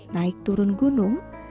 naik turun gunung